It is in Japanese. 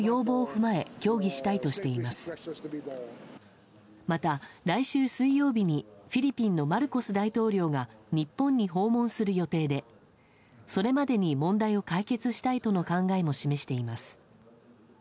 また、来週水曜日にフィリピンのマルコス大統領が日本に訪問する予定でそれまでに問題を解決したいとの考えも示しています。